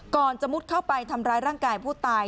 ก่อนจะมุดเข้าไปทำร้ายร่างกายผู้ตาย